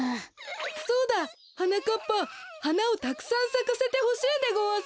そうだはなかっぱはなをたくさんさかせてほしいでごわす。